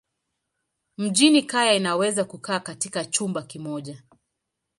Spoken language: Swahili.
Mjini kaya inaweza kukaa katika chumba kimoja.